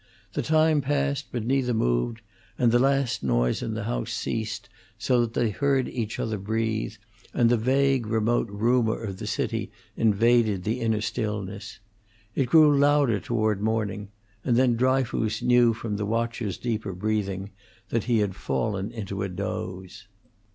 The time passed, but neither moved, and the last noise in the house ceased, so that they heard each other breathe, and the vague, remote rumor of the city invaded the inner stillness. It grew louder toward morning, and then Dryfoos knew from the watcher's deeper breathing that he had fallen into a doze.